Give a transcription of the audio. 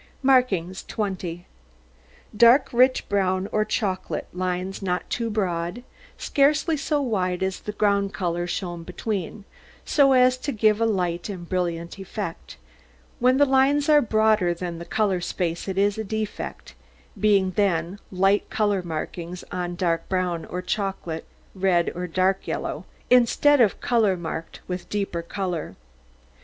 MARKINGS 20 Dark, rich brown or chocolate, lines not too broad, scarcely so wide as the ground colour shown between, so as to give a light and brilliant effect; when the lines are broader than the colour space it is a defect, being then light colour markings on dark brown or chocolate, red or dark yellow, instead of colour marked with deeper colour.